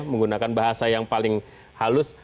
menggunakan bahasa yang paling halus